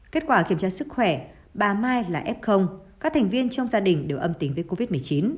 kết quả kiểm tra sức khỏe bà mai là f các thành viên trong gia đình đều âm tính với covid một mươi chín